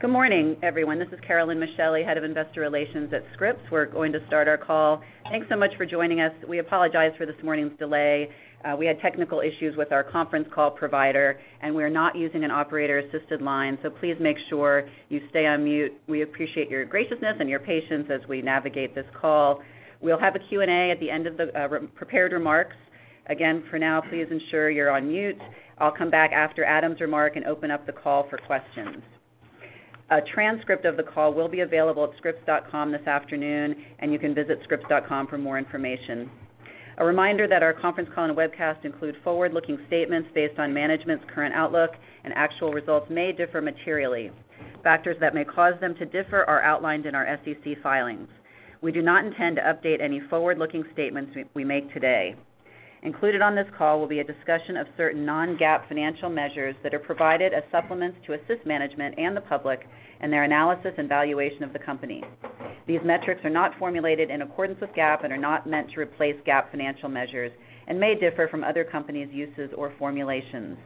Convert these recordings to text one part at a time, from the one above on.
Good morning, everyone. This is Carolyn Micheli, Head of Investor Relations at Scripps. We're going to start our call. Thanks so much for joining us. We apologize for this morning's delay. We had technical issues with our conference call provider, and we are not using an operator-assisted line, so please make sure you stay on mute. We appreciate your graciousness and your patience as we navigate this call. We'll have a Q&A at the end of the prepared remarks. Again, for now, please ensure you're on mute. I'll come back after Adam's remark and open up the call for questions. A transcript of the call will be available at scripps.com this afternoon, and you can visit scripps.com for more information. A reminder that our conference call and webcast include forward-looking statements based on management's current outlook, and actual results may differ materially. Factors that may cause them to differ are outlined in our SEC filings. We do not intend to update any forward-looking statements we make today. Included on this call will be a discussion of certain non-GAAP financial measures that are provided as supplements to assist management and the public in their analysis and valuation of the company. These metrics are not formulated in accordance with GAAP and are not meant to replace GAAP financial measures and may differ from other companies' uses or formulations.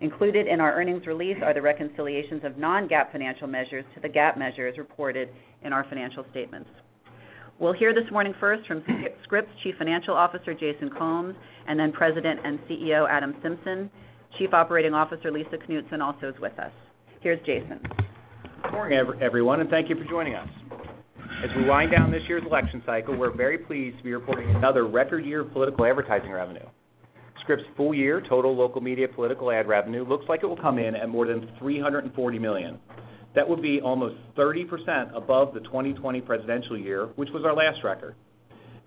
Included in our earnings release are the reconciliations of non-GAAP financial measures to the GAAP measures reported in our financial statements. We'll hear this morning first from Scripps Chief Financial Officer Jason Combs, and then President and CEO Adam Symson. Chief Operating Officer Lisa Knutson also is with us. Here's Jason. Good morning, everyone, and thank you for joining us. As we wind down this year's election cycle, we're very pleased to be reporting another record year of political advertising revenue. Scripps' full-year total local media political ad revenue looks like it will come in at more than $340 million. That would be almost 30% above the 2020 presidential year, which was our last record.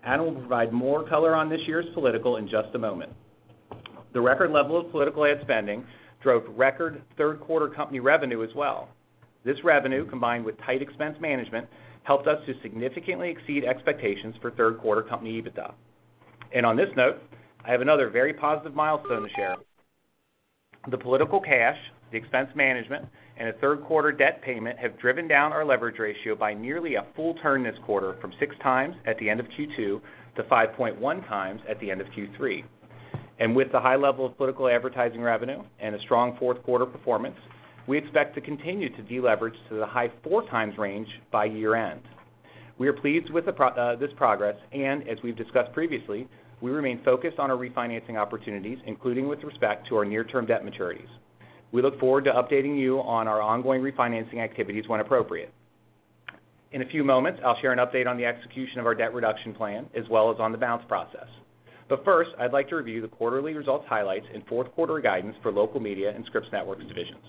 Adam will provide more color on this year's political in just a moment. The record level of political ad spending drove record third-quarter company revenue as well. This revenue, combined with tight expense management, helped us to significantly exceed expectations for third-quarter company EBITDA. And on this note, I have another very positive milestone to share. The political cash, the expense management, and a third-quarter debt payment have driven down our leverage ratio by nearly a full turn this quarter from six times at the end of Q2 to 5.1 times at the end of Q3, and with the high level of political advertising revenue and a strong fourth-quarter performance, we expect to continue to deleverage to the high four times range by year-end. We are pleased with this progress, and as we've discussed previously, we remain focused on our refinancing opportunities, including with respect to our near-term debt maturities. We look forward to updating you on our ongoing refinancing activities when appropriate. In a few moments, I'll share an update on the execution of our debt reduction plan as well as on the Bounce process, but first, I'd like to review the quarterly results highlights and fourth-quarter guidance for local media and Scripps Networks divisions.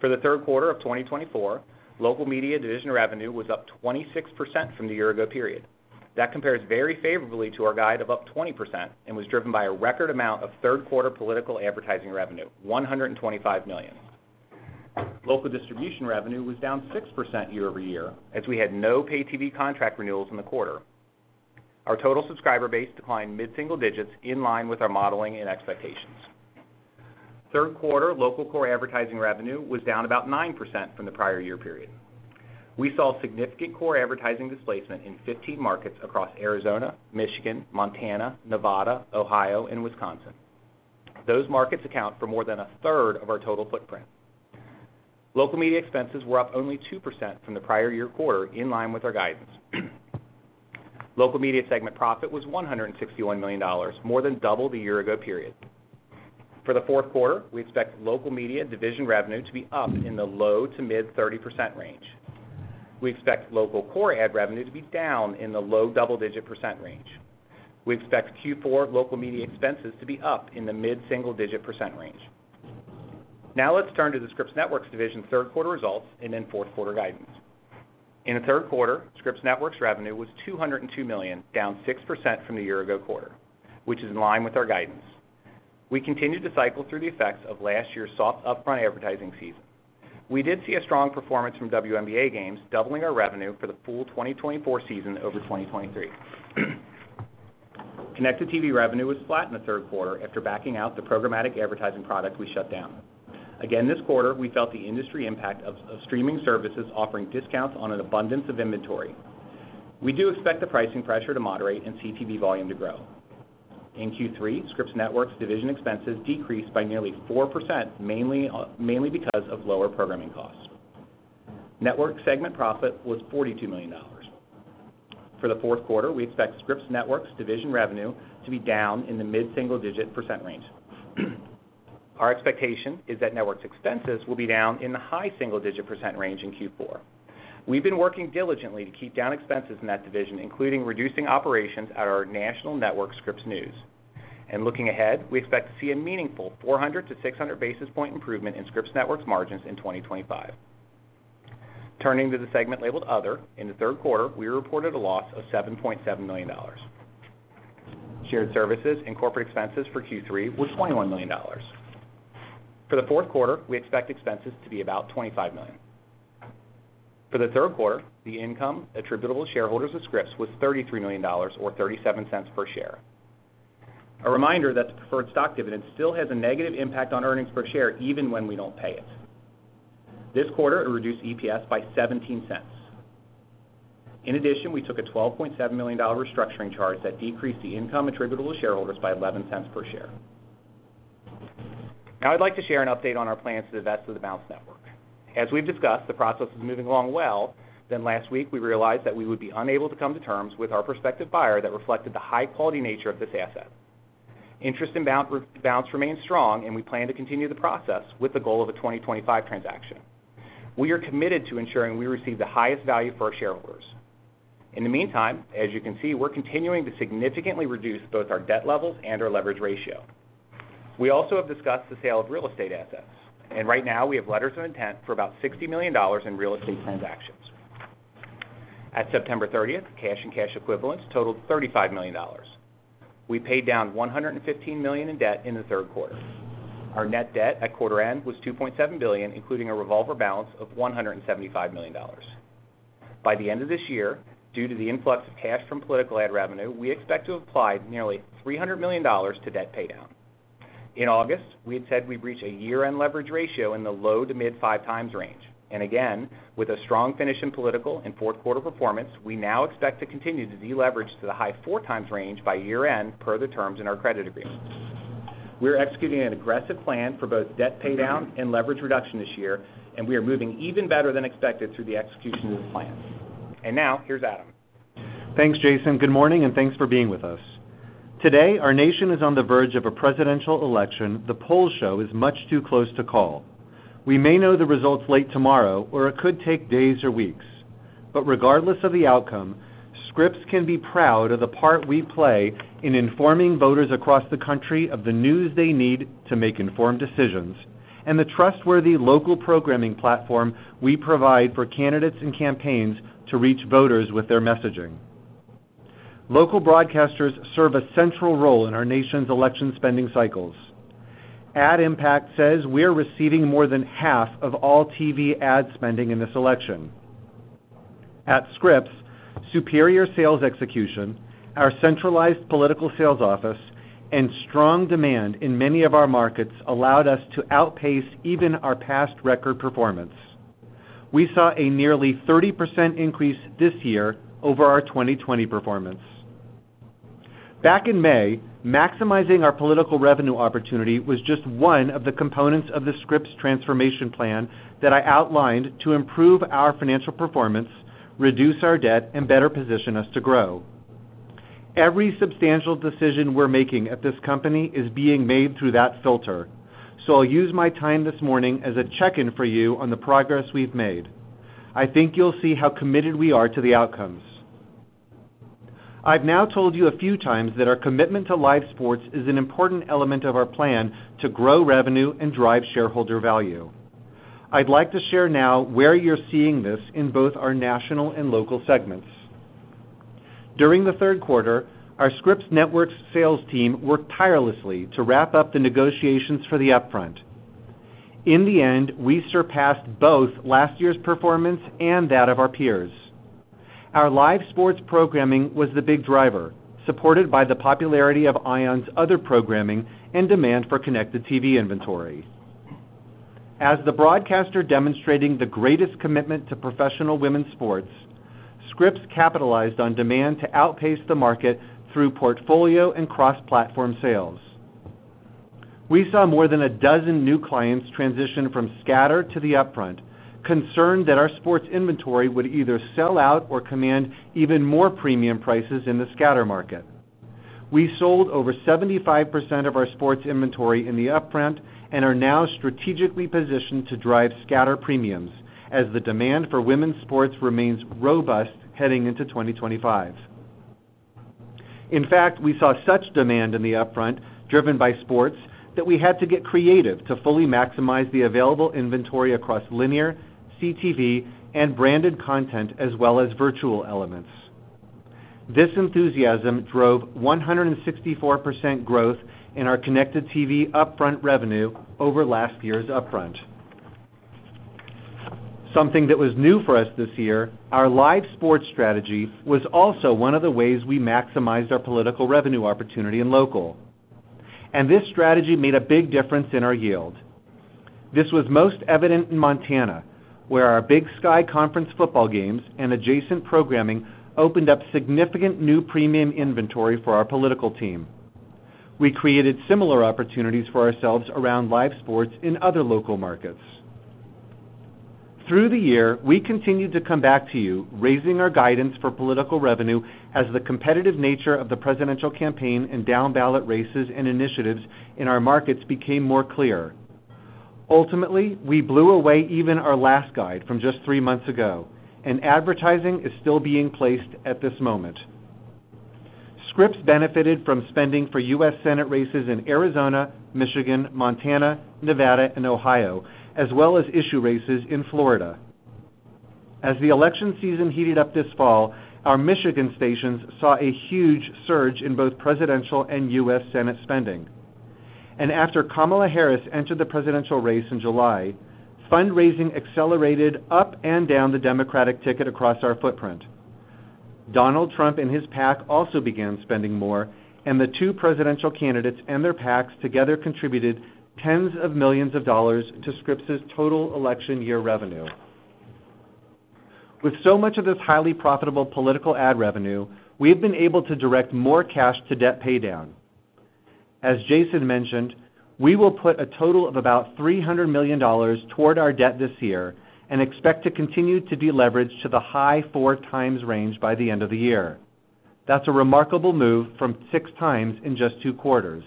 For the third quarter of 2024, local media division revenue was up 26% from the year-ago period. That compares very favorably to our guide of up 20% and was driven by a record amount of third-quarter political advertising revenue, $125 million. Local distribution revenue was down 6% year-over-year as we had no pay-TV contract renewals in the quarter. Our total subscriber base declined mid-single digits in line with our modeling and expectations. Third-quarter local core advertising revenue was down about 9% from the prior year period. We saw significant core advertising displacement in 15 markets across Arizona, Michigan, Montana, Nevada, Ohio, and Wisconsin. Those markets account for more than a third of our total footprint. Local media expenses were up only 2% from the prior year quarter in line with our guidance. Local media segment profit was $161 million, more than double the year-ago period. For the fourth quarter, we expect local media division revenue to be up in the low-to-mid 30% range. We expect local core ad revenue to be down in the low double-digit % range. We expect Q4 local media expenses to be up in the mid-single-digit % range. Now let's turn to the Scripps Networks division third-quarter results and then fourth-quarter guidance. In the third quarter, Scripps Networks revenue was $202 million, down 6% from the year-ago quarter, which is in line with our guidance. We continue to cycle through the effects of last year's soft upfront advertising season. We did see a strong performance from WNBA games, doubling our revenue for the full 2024 season over 2023. Connected TV revenue was flat in the third quarter after backing out the programmatic advertising product we shut down. Again, this quarter, we felt the industry impact of streaming services offering discounts on an abundance of inventory. We do expect the pricing pressure to moderate and see TV volume to grow. In Q3, Scripps Networks division expenses decreased by nearly 4%, mainly because of lower programming costs. Network segment profit was $42 million. For the fourth quarter, we expect Scripps Networks division revenue to be down in the mid-single-digit % range. Our expectation is that networks expenses will be down in the high single-digit % range in Q4. We've been working diligently to keep down expenses in that division, including reducing operations at our national network, Scripps News, and looking ahead, we expect to see a meaningful 400 to 600 basis point improvement in Scripps Networks margins in 2025. Turning to the segment labeled Other, in the third quarter, we reported a loss of $7.7 million. Shared services and corporate expenses for Q3 were $21 million. For the fourth quarter, we expect expenses to be about $25 million. For the third quarter, the income attributable to shareholders of Scripps was $33 million, or $0.37 per share. A reminder that the preferred stock dividend still has a negative impact on earnings per share even when we don't pay it. This quarter, it reduced EPS by $0.17. In addition, we took a $12.7 million restructuring charge that decreased the income attributable to shareholders by $0.11 per share. Now I'd like to share an update on our plans to divest of the Bounce network. As we've discussed, the process is moving along well, then last week we realized that we would be unable to come to terms with our prospective buyer that reflected the high-quality nature of this asset. Interest in Bounce remains strong, and we plan to continue the process with the goal of a 2025 transaction. We are committed to ensuring we receive the highest value for our shareholders. In the meantime, as you can see, we're continuing to significantly reduce both our debt levels and our leverage ratio. We also have discussed the sale of real estate assets, and right now we have letters of intent for about $60 million in real estate transactions. At September 30th, cash and cash equivalents totaled $35 million. We paid down $115 million in debt in the third quarter. Our net debt at quarter end was $2.7 billion, including a revolver balance of $175 million. By the end of this year, due to the influx of cash from political ad revenue, we expect to have applied nearly $300 million to debt paydown. In August, we had said we'd reach a year-end leverage ratio in the low to mid-five times range. And again, with a strong finish in political and fourth-quarter performance, we now expect to continue to deleverage to the high four times range by year-end per the terms in our credit agreement. We are executing an aggressive plan for both debt paydown and leverage reduction this year, and we are moving even better than expected through the execution of this plan. And now, here's Adam. Thanks, Jason. Good morning, and thanks for being with us. Today, our nation is on the verge of a presidential election. The polls show it's much too close to call. We may know the results late tomorrow, or it could take days or weeks. But regardless of the outcome, Scripps can be proud of the part we play in informing voters across the country of the news they need to make informed decisions and the trustworthy local programming platform we provide for candidates and campaigns to reach voters with their messaging. Local broadcasters serve a central role in our nation's election spending cycles. AdImpact says we are receiving more than half of all TV ad spending in this election. At Scripps, superior sales execution, our centralized political sales office, and strong demand in many of our markets allowed us to outpace even our past record performance. We saw a nearly 30% increase this year over our 2020 performance. Back in May, maximizing our political revenue opportunity was just one of the components of the Scripps transformation plan that I outlined to improve our financial performance, reduce our debt, and better position us to grow. Every substantial decision we're making at this company is being made through that filter, so I'll use my time this morning as a check-in for you on the progress we've made. I think you'll see how committed we are to the outcomes. I've now told you a few times that our commitment to live sports is an important element of our plan to grow revenue and drive shareholder value. I'd like to share now where you're seeing this in both our national and local segments. During the third quarter, our Scripps Networks sales team worked tirelessly to wrap up the negotiations for the upfront. In the end, we surpassed both last year's performance and that of our peers. Our live sports programming was the big driver, supported by the popularity of ION's other programming and demand for connected TV inventory. As the broadcaster demonstrating the greatest commitment to professional women's sports, Scripps capitalized on demand to outpace the market through portfolio and cross-platform sales. We saw more than a dozen new clients transition from scatter to the upfront, concerned that our sports inventory would either sell out or command even more premium prices in the scatter market. We sold over 75% of our sports inventory in the upfront and are now strategically positioned to drive scatter premiums as the demand for women's sports remains robust heading into 2025. In fact, we saw such demand in the upfront driven by sports that we had to get creative to fully maximize the available inventory across linear, CTV, and branded content as well as virtual elements. This enthusiasm drove 164% growth in our connected TV upfront revenue over last year's upfront. Something that was new for us this year, our live sports strategy was also one of the ways we maximized our political revenue opportunity in local, and this strategy made a big difference in our yield. This was most evident in Montana, where our Big Sky Conference football games and adjacent programming opened up significant new premium inventory for our political team. We created similar opportunities for ourselves around live sports in other local markets. Through the year, we continued to come back to you, raising our guidance for political revenue as the competitive nature of the presidential campaign and down-ballot races and initiatives in our markets became more clear. Ultimately, we blew away even our last guide from just three months ago, and advertising is still being placed at this moment. Scripps benefited from spending for U.S. Senate races in Arizona, Michigan, Montana, Nevada, and Ohio, as well as issue races in Florida. As the election season heated up this fall, our Michigan stations saw a huge surge in both presidential and U.S. Senate spending. And after Kamala Harris entered the presidential race in July, fundraising accelerated up and down the Democratic ticket across our footprint. Donald Trump and his PAC also began spending more, and the two presidential candidates and their PACs together contributed tens of millions of dollars to Scripps' total election year revenue. With so much of this highly profitable political ad revenue, we have been able to direct more cash to debt paydown. As Jason mentioned, we will put a total of about $300 million toward our debt this year and expect to continue to deleverage to the high four times range by the end of the year. That's a remarkable move from six times in just two quarters.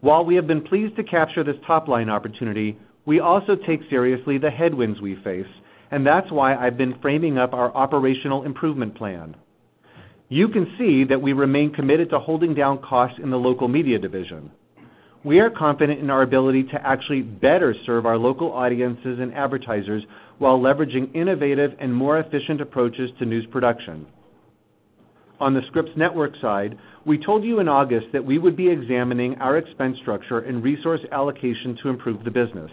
While we have been pleased to capture this top-line opportunity, we also take seriously the headwinds we face, and that's why I've been framing up our operational improvement plan. You can see that we remain committed to holding down costs in the local media division. We are confident in our ability to actually better serve our local audiences and advertisers while leveraging innovative and more efficient approaches to news production. On the Scripps Network side, we told you in August that we would be examining our expense structure and resource allocation to improve the business.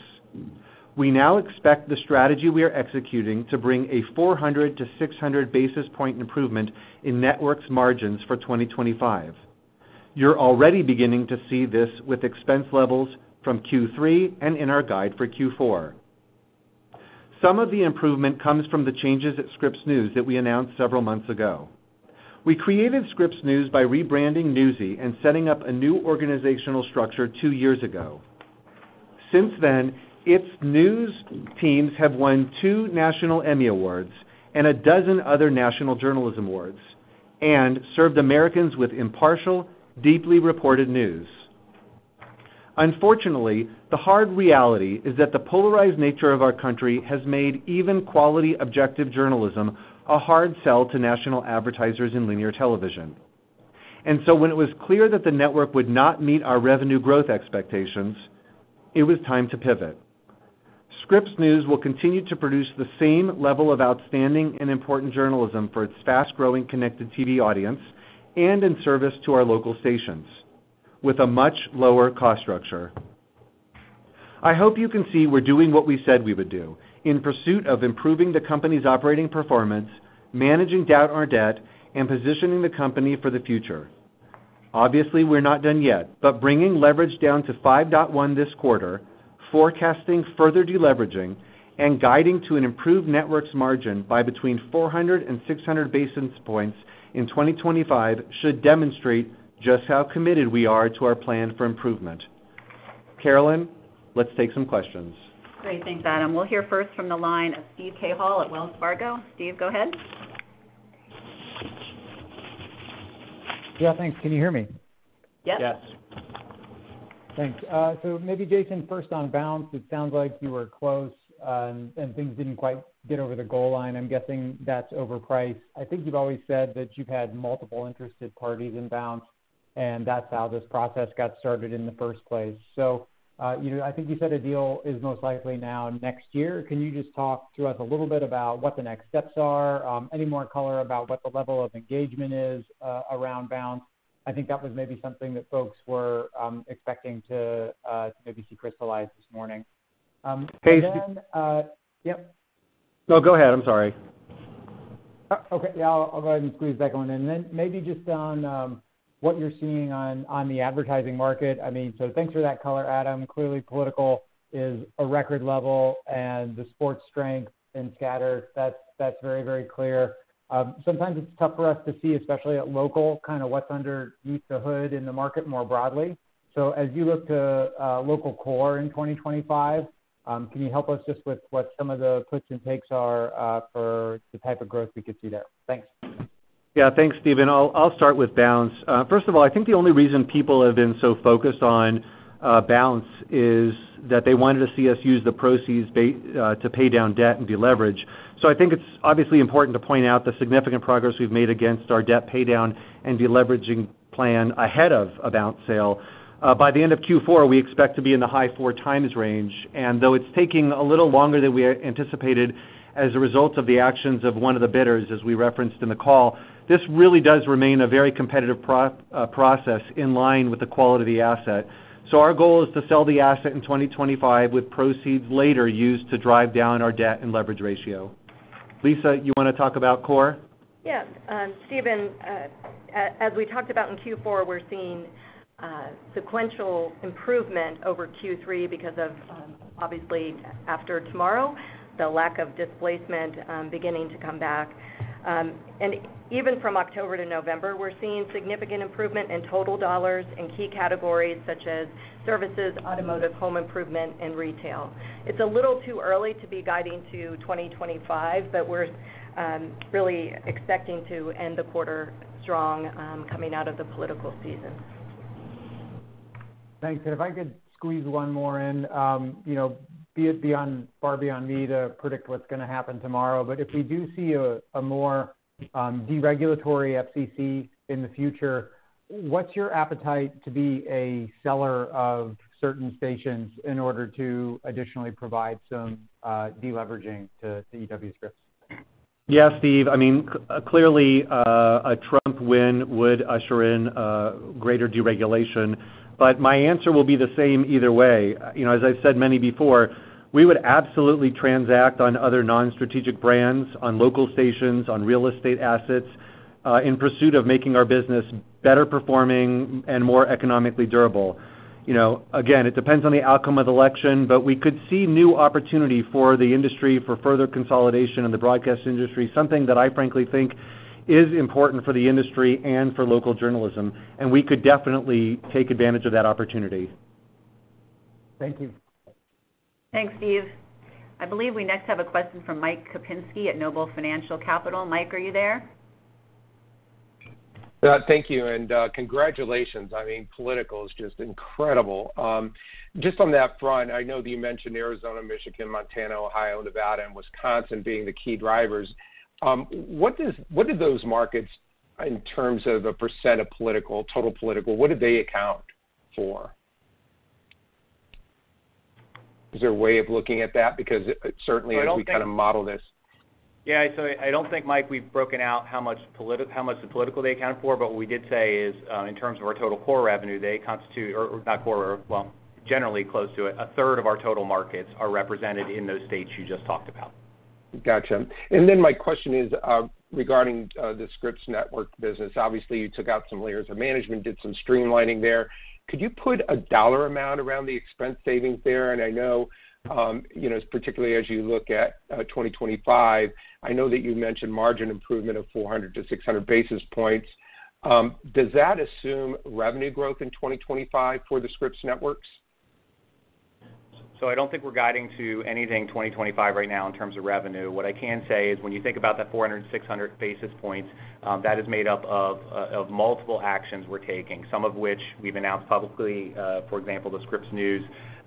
We now expect the strategy we are executing to bring a 400-600 basis points improvement in networks' margins for 2025. You're already beginning to see this with expense levels from Q3 and in our guide for Q4. Some of the improvement comes from the changes at Scripps News that we announced several months ago. We created Scripps News by rebranding Newsy and setting up a new organizational structure two years ago. Since then, its news teams have won two national Emmy Awards and a dozen other national journalism awards and served Americans with impartial, deeply reported news. Unfortunately, the hard reality is that the polarized nature of our country has made even quality objective journalism a hard sell to national advertisers in linear television. And so when it was clear that the network would not meet our revenue growth expectations, it was time to pivot. Scripps News will continue to produce the same level of outstanding and important journalism for its fast-growing Connected TV audience and in service to our local stations with a much lower cost structure. I hope you can see we're doing what we said we would do in pursuit of improving the company's operating performance, managing down our debt, and positioning the company for the future. Obviously, we're not done yet, but bringing leverage down to 5.1 this quarter, forecasting further deleveraging, and guiding to an improved networks margin by between 400 and 600 basis points in 2025 should demonstrate just how committed we are to our plan for improvement. Carolyn, let's take some questions. Great. Thanks, Adam. We'll hear first from the line of Steven Cahall at Wells Fargo. Steve, go ahead. Yeah, thanks. Can you hear me? Yes. Yes. Thanks. So maybe Jason, first on Bounce, it sounds like you were close and things didn't quite get over the goal line. I'm guessing that's overpriced. I think you've always said that you've had multiple interested parties in Bounce, and that's how this process got started in the first place. So I think you said a deal is most likely now next year. Can you just talk to us a little bit about what the next steps are? Any more color about what the level of engagement is around Bounce? I think that was maybe something that folks were expecting to maybe see crystallize this morning. Hey Jason. Yep. No, go ahead. I'm sorry. Okay. Yeah, I'll go ahead and squeeze that going in, and then maybe just on what you're seeing on the advertising market. I mean, so thanks for that color, Adam. Clearly, political is a record level, and the sports strength in scatter, that's very, very clear. Sometimes it's tough for us to see, especially at local, kind of what's underneath the hood in the market more broadly. So as you look to local core in 2025, can you help us just with what some of the puts and takes are for the type of growth we could see there? Thanks. Yeah, thanks, Steven. I'll start with Bounce. First of all, I think the only reason people have been so focused on Bounce is that they wanted to see us use the proceeds to pay down debt and deleverage. So I think it's obviously important to point out the significant progress we've made against our debt paydown and deleveraging plan ahead of a Bounce sale. By the end of Q4, we expect to be in the high four times range. And though it's taking a little longer than we anticipated as a result of the actions of one of the bidders, as we referenced in the call, this really does remain a very competitive process in line with the quality of the asset. So our goal is to sell the asset in 2025 with proceeds later used to drive down our debt and leverage ratio. Lisa, you want to talk about core? Yeah. Steven, as we talked about in Q4, we're seeing sequential improvement over Q3 because of, obviously, after tomorrow, the lack of displacement beginning to come back. And even from October to November, we're seeing significant improvement in total dollars in key categories such as services, automotive, home improvement, and retail. It's a little too early to be guiding to 2025, but we're really expecting to end the quarter strong coming out of the political season. Thanks. And if I could squeeze one more in, be it far beyond me to predict what's going to happen tomorrow. But if we do see a more deregulatory FCC in the future, what's your appetite to be a seller of certain stations in order to additionally provide some deleveraging to The E.W. Scripps? Yeah, Steve. I mean, clearly, a Trump win would usher in greater deregulation, but my answer will be the same either way. As I've said many before, we would absolutely transact on other non-strategic brands, on local stations, on real estate assets in pursuit of making our business better performing and more economically durable. Again, it depends on the outcome of the election, but we could see new opportunity for the industry for further consolidation in the broadcast industry, something that I frankly think is important for the industry and for local journalism, and we could definitely take advantage of that opportunity. Thank you. Thanks, Steve. I believe we next have a question from Mike Kupinski at Noble Capital Markets. Mike, are you there? Thank you and congratulations. I mean, political is just incredible. Just on that front, I know that you mentioned Arizona, Michigan, Montana, Ohio, Nevada, and Wisconsin being the key drivers. What do those markets, in terms of the percent of political, total political, what do they account for? Is there a way of looking at that? Because certainly. I don't think. We kind of model this. Yeah. So I don't think, Mike, we've broken out how much the political they account for. But what we did say is, in terms of our total core revenue, they constitute, or not core, well, generally close to a third of our total markets are represented in those states you just talked about. Gotcha. And then my question is regarding the Scripps Network business. Obviously, you took out some layers of management, did some streamlining there. Could you put a dollar amount around the expense savings there? And I know, particularly as you look at 2025, I know that you mentioned margin improvement of 400-600 basis points. Does that assume revenue growth in 2025 for the Scripps Networks? I don't think we're guiding to anything in 2025 right now in terms of revenue. What I can say is, when you think about that 400-600 basis points, that is made up of multiple actions we're taking, some of which we've announced publicly, for example, the Scripps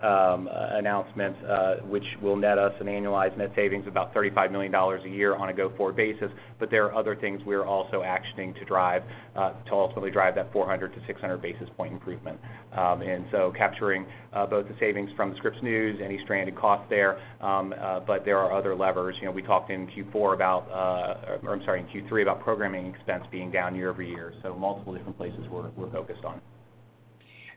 News announcements, which will net us an annualized net savings of about $35 million a year on a go-forward basis. There are other things we are also actioning to ultimately drive that 400-600 basis point improvement. We are capturing both the savings from the Scripps News, any stranded costs there. There are other levers. We talked in Q4 about, or I'm sorry, in Q3 about programming expense being down year-over-year. We are focused on multiple different places.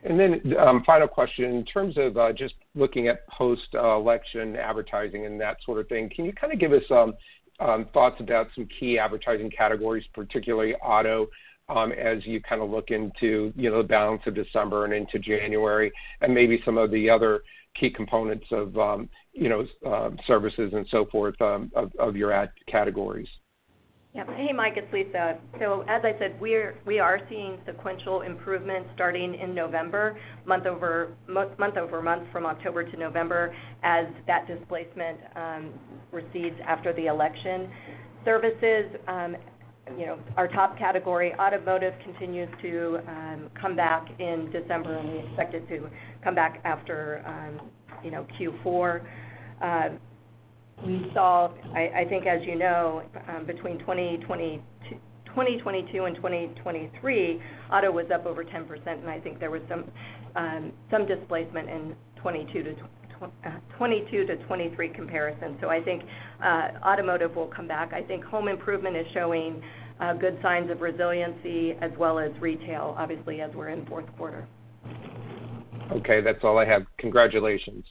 And then, final question. In terms of just looking at post-election advertising and that sort of thing, can you kind of give us thoughts about some key advertising categories, particularly auto, as you kind of look into the balance of December and into January, and maybe some of the other key components of services and so forth of your ad categories? Yeah. Hey, Mike. It's Lisa. So as I said, we are seeing sequential improvement starting in November, month over month from October to November, as that displacement recedes after the election. Services, our top category, automotive, continues to come back in December, and we expect it to come back after Q4. We saw, I think, as you know, between 2022 and 2023, auto was up over 10%. And I think there was some displacement in 2022 to 2023 comparison. So I think automotive will come back. I think home improvement is showing good signs of resiliency, as well as retail, obviously, as we're in fourth quarter. Okay. That's all I have. Congratulations.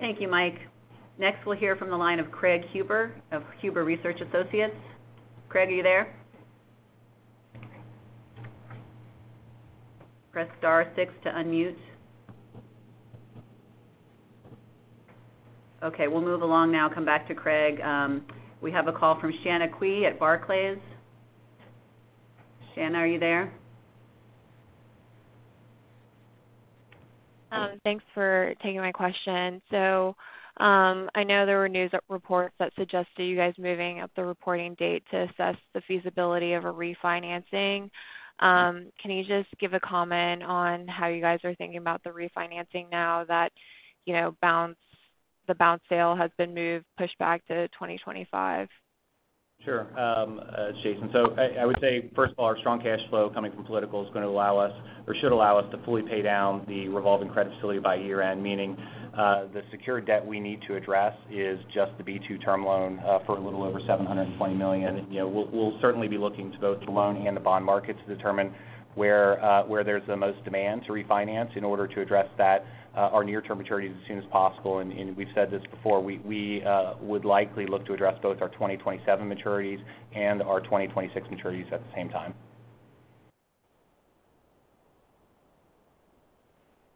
Thank you, Mike. Next, we'll hear from the line of Craig Huber of Huber Research Partners. Craig, are you there? Press star six to unmute. Okay. We'll move along now. Come back to Craig. We have a call from Shanna Qiu at Barclays. Shanna, are you there? Thanks for taking my question. So I know there were news reports that suggested you guys moving up the reporting date to assess the feasibility of a refinancing. Can you just give a comment on how you guys are thinking about the refinancing now that the Bounce sale has been moved, pushed back to 2025? Sure. It's Jason. So I would say, first of all, our strong cash flow coming from political is going to allow us, or should allow us, to fully pay down the revolving credit facility by year-end, meaning the secured debt we need to address is just the B2 Term Loan for a little over $720 million. We'll certainly be looking to both the loan and the bond markets to determine where there's the most demand to refinance in order to address our near-term maturities as soon as possible, and we've said this before. We would likely look to address both our 2027 maturities and our 2026 maturities at the same time.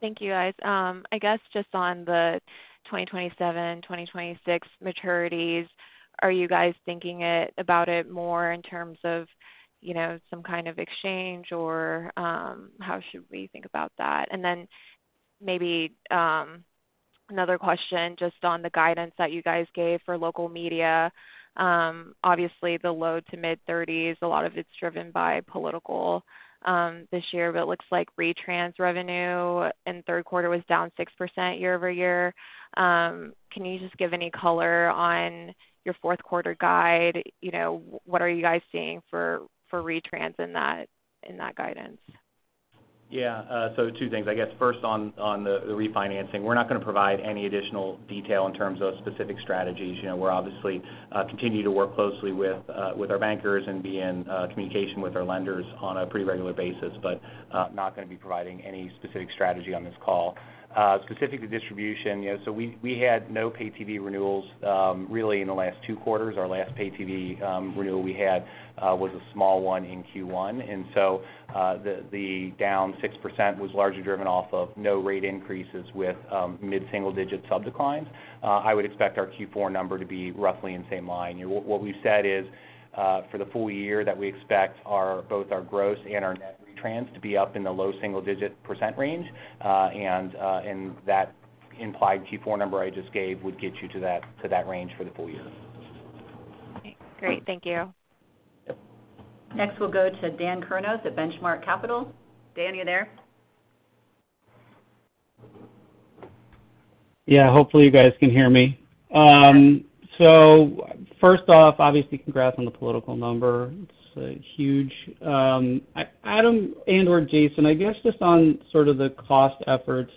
Thank you, guys. I guess just on the 2027, 2026 maturities, are you guys thinking about it more in terms of some kind of exchange, or how should we think about that? And then maybe another question just on the guidance that you guys gave for local media. Obviously, the low to mid-30s, a lot of it's driven by political this year. But it looks like retrans revenue in third quarter was down 6% year-over-year. Can you just give any color on your fourth quarter guide? What are you guys seeing for retrans in that guidance? Yeah. So two things. I guess, first, on the refinancing, we're not going to provide any additional detail in terms of specific strategies. We're obviously continuing to work closely with our bankers and be in communication with our lenders on a pretty regular basis, but not going to be providing any specific strategy on this call. Specific to distribution, so we had no pay-TV renewals really in the last two quarters. Our last pay-TV renewal we had was a small one in Q1. And so the down 6% was largely driven off of no rate increases with mid-single-digit subdeclines. I would expect our Q4 number to be roughly in same line. What we've said is, for the full year, that we expect both our gross and our net retrans to be up in the low single-digit % range. That implied Q4 number I just gave would get you to that range for the full year. Okay. Great. Thank you. Next, we'll go to Dan Kurnos at The Benchmark Company. Dan, are you there? Yeah. Hopefully, you guys can hear me. So first off, obviously, congrats on the political number. It's huge. Adam and/or Jason, I guess just on sort of the cost efforts,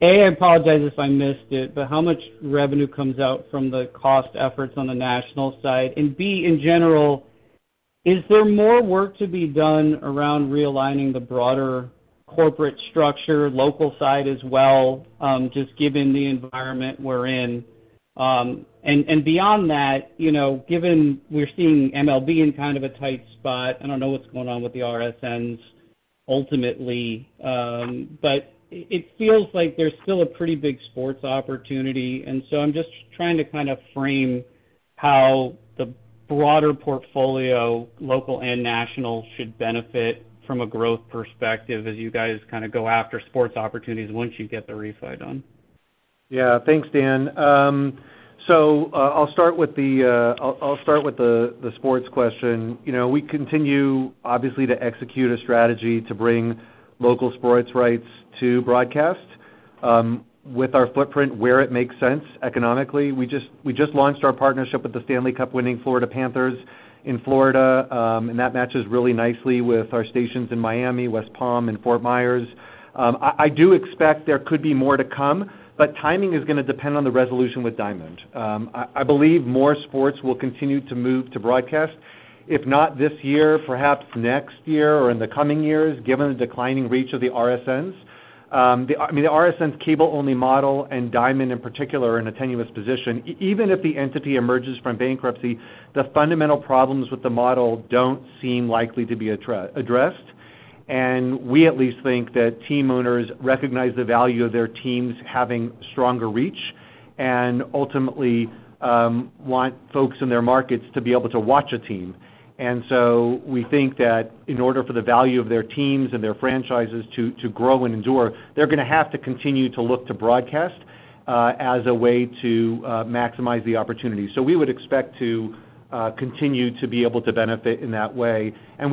A, I apologize if I missed it, but how much revenue comes out from the cost efforts on the national side? And B, in general, is there more work to be done around realigning the broader corporate structure, local side as well, just given the environment we're in? And beyond that, given we're seeing MLB in kind of a tight spot, I don't know what's going on with the RSNs ultimately. But it feels like there's still a pretty big sports opportunity. And so I'm just trying to kind of frame how the broader portfolio, local and national, should benefit from a growth perspective as you guys kind of go after sports opportunities once you get the refund done. Yeah. Thanks, Dan. So I'll start with the sports question. We continue, obviously, to execute a strategy to bring local sports rights to broadcast with our footprint where it makes sense economically. We just launched our partnership with the Stanley Cup-winning Florida Panthers in Florida. And that matches really nicely with our stations in Miami, West Palm, and Fort Myers. I do expect there could be more to come, but timing is going to depend on the resolution with Diamond. I believe more sports will continue to move to broadcast. If not this year, perhaps next year or in the coming years, given the declining reach of the RSNs. I mean, the RSN's cable-only model and Diamond in particular are in a tenuous position. Even if the entity emerges from bankruptcy, the fundamental problems with the model don't seem likely to be addressed. And we at least think that team owners recognize the value of their teams having stronger reach and ultimately want folks in their markets to be able to watch a team. And so we think that in order for the value of their teams and their franchises to grow and endure, they're going to have to continue to look to broadcast as a way to maximize the opportunity. So we would expect to continue to be able to benefit in that way. And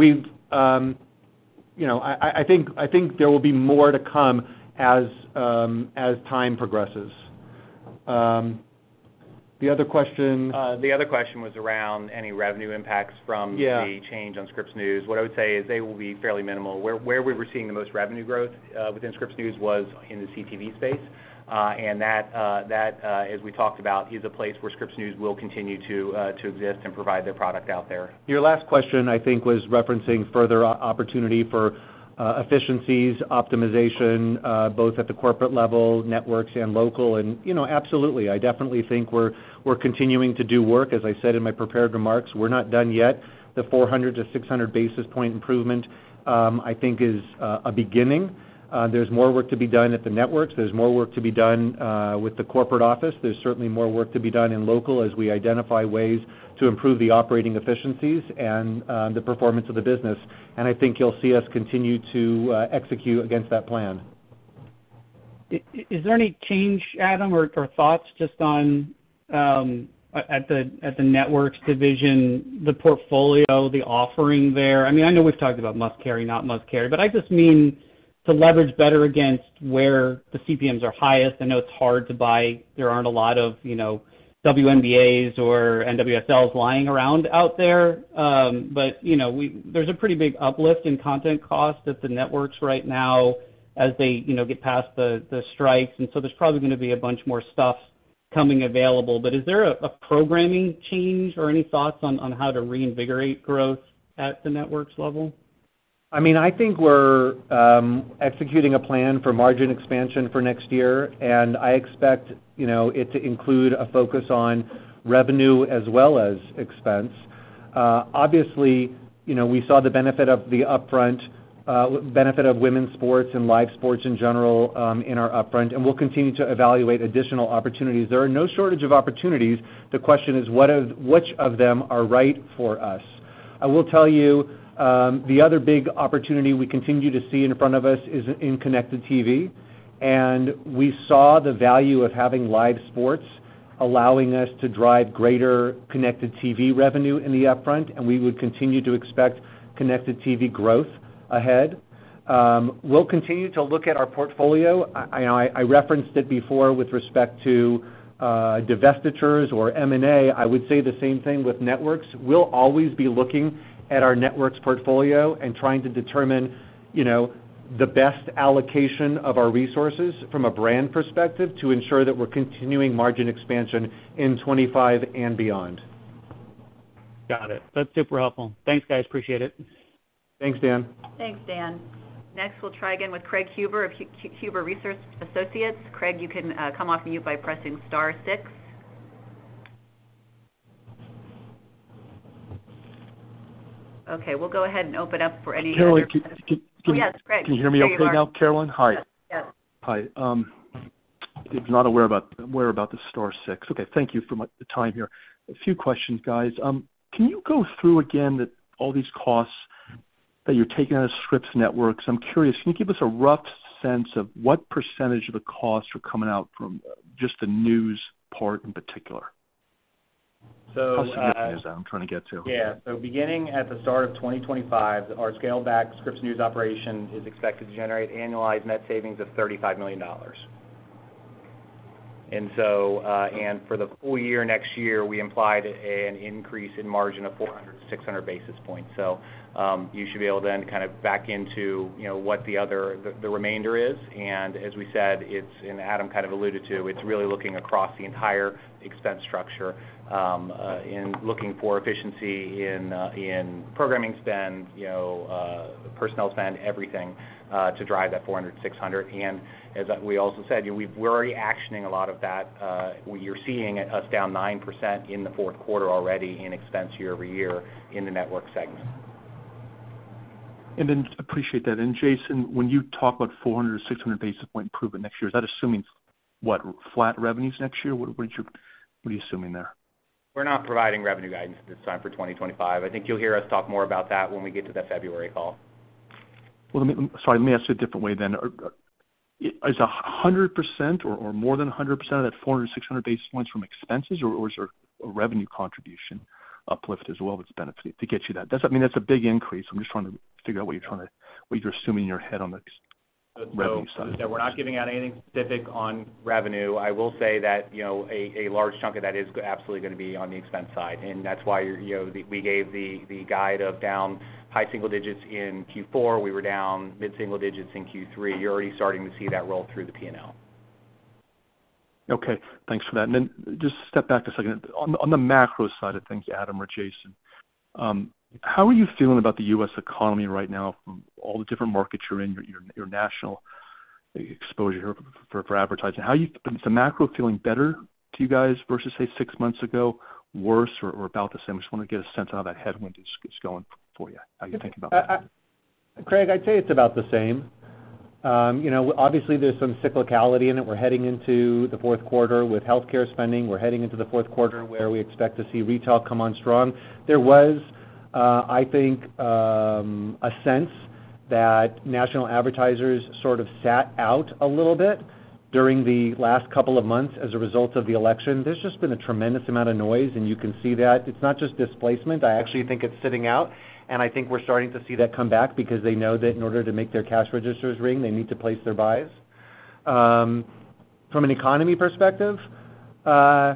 I think there will be more to come as time progresses. The other question. The other question was around any revenue impacts from the change on Scripps News. What I would say is they will be fairly minimal. Where we were seeing the most revenue growth within Scripps News was in the CTV space, and that, as we talked about, is a place where Scripps News will continue to exist and provide their product out there. Your last question, I think, was referencing further opportunity for efficiencies, optimization, both at the corporate level, networks, and local. And absolutely, I definitely think we're continuing to do work. As I said in my prepared remarks, we're not done yet. The 400-600 basis point improvement, I think, is a beginning. There's more work to be done at the networks. There's more work to be done with the corporate office. There's certainly more work to be done in local as we identify ways to improve the operating efficiencies and the performance of the business. And I think you'll see us continue to execute against that plan. Is there any change, Adam, or thoughts just on at the networks division, the portfolio, the offering there? I mean, I know we've talked about must-carry, not must-carry, but I just mean to leverage better against where the CPMs are highest. I know it's hard to buy. There aren't a lot of WNBAs or NWSLs lying around out there. But there's a pretty big uplift in content costs at the networks right now as they get past the strikes. And so there's probably going to be a bunch more stuff coming available. But is there a programming change or any thoughts on how to reinvigorate growth at the networks level? I mean, I think we're executing a plan for margin expansion for next year, and I expect it to include a focus on revenue as well as expense. Obviously, we saw the benefit of the upfront, benefit of women's sports and live sports in general in our upfront, and we'll continue to evaluate additional opportunities. There are no shortage of opportunities. The question is, which of them are right for us? I will tell you, the other big opportunity we continue to see in front of us is in Connected TV, and we saw the value of having live sports allowing us to drive greater Connected TV revenue in the upfront, and we would continue to expect Connected TV growth ahead. We'll continue to look at our portfolio. I referenced it before with respect to divestitures or M&A. I would say the same thing with networks. We'll always be looking at our networks portfolio and trying to determine the best allocation of our resources from a brand perspective to ensure that we're continuing margin expansion in 2025 and beyond. Got it. That's super helpful. Thanks, guys. Appreciate it. Thanks, Dan. Thanks, Dan. Next, we'll try again with Craig Huber of Huber Research Partners. Craig, you can come off mute by pressing star six. Okay. We'll go ahead and open up for any questions. Carolyn, can you hear me okay now, Carolyn? Hi. Yes. Hi. I was not aware about the star six. Okay. Thank you for the time here. A few questions, guys. Can you go through again all these costs that you're taking out of Scripps Networks? I'm curious. Can you give us a rough sense of what percentage of the costs are coming out from just the news part in particular? So yes. How significant is that? I'm trying to get to. Yeah. So beginning at the start of 2025, our scaled-back Scripps News operation is expected to generate annualized net savings of $35 million. For the full year next year, we implied an increase in margin of 400-600 basis points. You should be able then kind of back into what the remainder is. As we said, it's in. Adam kind of alluded to it. It's really looking across the entire expense structure and looking for efficiency in programming spend, personnel spend, everything to drive that 400-600. As we also said, we're already actioning a lot of that. You're seeing us down 9% in the fourth quarter already in expense year-over-year in the network segment. I appreciate that. Jason, when you talk about 400-600 basis point improvement next year, is that assuming what? Flat revenues next year? What are you assuming there? We're not providing revenue guidance at this time for 2025. I think you'll hear us talk more about that when we get to the February call. Sorry, let me ask it a different way then. Is 100% or more than 100% of that 400-600 basis points from expenses, or is there a revenue contribution uplift as well that's benefiting to get you that? I mean, that's a big increase. I'm just trying to figure out what you're assuming in your head on the revenue side. Yeah. We're not giving out anything specific on revenue. I will say that a large chunk of that is absolutely going to be on the expense side. And that's why we gave the guide of down high single digits in Q4. We were down mid-single digits in Q3. You're already starting to see that roll through the P&L. Okay. Thanks for that and then just step back a second. On the macro side of things, Adam or Jason, how are you feeling about the U.S. economy right now from all the different markets you're in, your national exposure for advertising? Is the macro feeling better to you guys versus, say, six months ago, worse, or about the same? I just want to get a sense of how that headwind is going for you. How are you thinking about that? Craig, I'd say it's about the same. Obviously, there's some cyclicality in it. We're heading into the fourth quarter with healthcare spending. We're heading into the fourth quarter where we expect to see retail come on strong. There was, I think, a sense that national advertisers sort of sat out a little bit during the last couple of months as a result of the election. There's just been a tremendous amount of noise, and you can see that. It's not just displacement. I actually think it's sitting out, and I think we're starting to see that come back because they know that in order to make their cash registers ring, they need to place their buys. From an economy perspective, I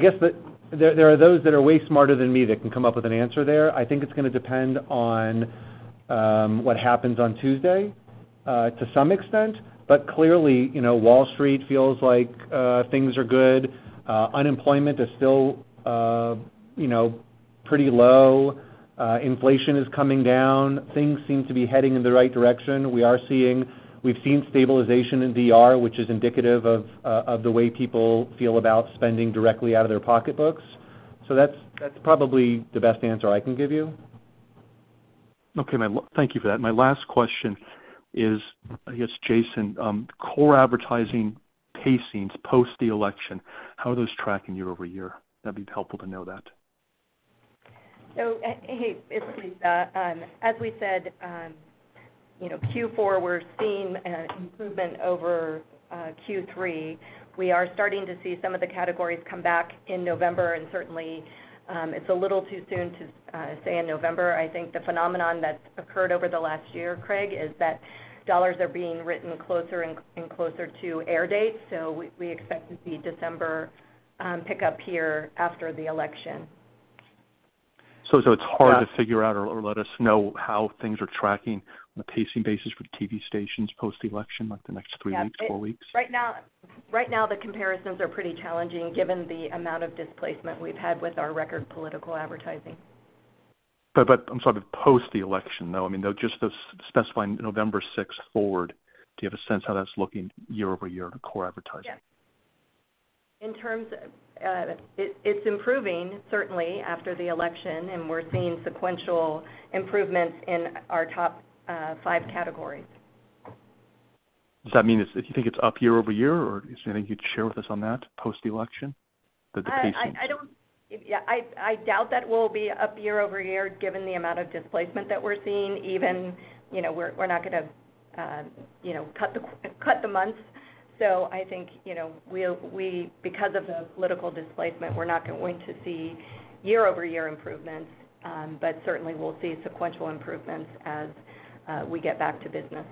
guess there are those that are way smarter than me that can come up with an answer there. I think it's going to depend on what happens on Tuesday to some extent. But clearly, Wall Street feels like things are good. Unemployment is still pretty low. Inflation is coming down. Things seem to be heading in the right direction. We've seen stabilization in DR, which is indicative of the way people feel about spending directly out of their pocketbooks. So that's probably the best answer I can give you. Okay. Thank you for that. My last question is, I guess, Jason, core advertising pacings post the election, how are those tracking year-over-year? That'd be helpful to know that. So hey, it's Lisa. As we said, Q4, we're seeing improvement over Q3. We are starting to see some of the categories come back in November. And certainly, it's a little too soon to say in November. I think the phenomenon that's occurred over the last year, Craig, is that dollars are being written closer and closer to air dates. So we expect to see December pick up here after the election. So it's hard to figure out or let us know how things are tracking on a pacing basis for the TV stations post the election, like the next three weeks, four weeks? Right now, the comparisons are pretty challenging given the amount of displacement we've had with our record political advertising. But, I'm sorry, post the election, though. I mean, just specifying November 6th forward, do you have a sense how that's looking year-over-year in core advertising? Yeah. In terms of it's improving, certainly, after the election. And we're seeing sequential improvements in our top five categories. Does that mean you think it's up year-over-year, or is there anything you'd share with us on that post the election, the pacing? Yeah. I doubt that we'll be up year-over-year given the amount of displacement that we're seeing. Even we're not going to cut the months. So I think because of the political displacement, we're not going to see year-over-year improvements. But certainly, we'll see sequential improvements as we get back to business.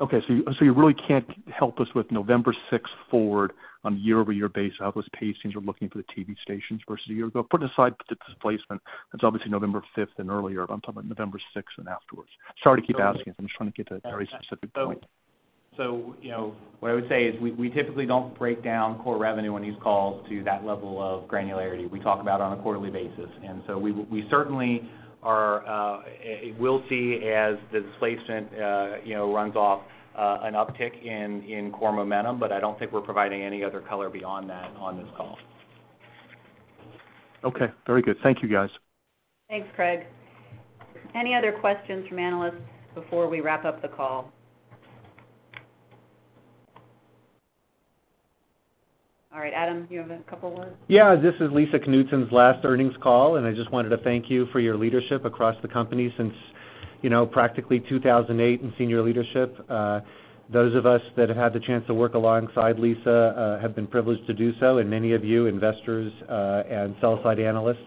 Okay. So you really can't help us with November 6th forward on a year-over-year basis how those pacings are looking for the TV stations versus a year ago. Putting aside the displacement, it's obviously November 5th and earlier. I'm talking about November 6th and afterwards. Sorry to keep asking. I'm just trying to get to a very specific point. So what I would say is we typically don't break down core revenue on these calls to that level of granularity. We talk about it on a quarterly basis. And so we certainly are. We'll see as the displacement runs off an uptick in core momentum. But I don't think we're providing any other color beyond that on this call. Okay. Very good. Thank you, guys. Thanks, Craig. Any other questions from analysts before we wrap up the call? All right. Adam, you have a couple of words? Yeah. This is Lisa Knutson's last earnings call. And I just wanted to thank you for your leadership across the company since practically 2008 and senior leadership. Those of us that have had the chance to work alongside Lisa have been privileged to do so. And many of you, investors and sell-side analysts,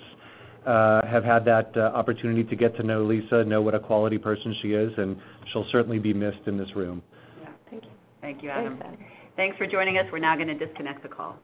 have had that opportunity to get to know Lisa, know what a quality person she is. And she'll certainly be missed in this room. Yeah. Thank you. Thank you, Adam. Thanks for joining us. We're now going to disconnect the call.